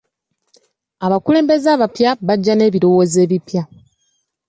Abakulembeze abapya bajja n'ebirowoozo ebipya.